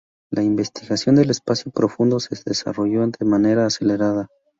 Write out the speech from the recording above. La investigación del espacio profundo se está desarrollando de manera acelerada.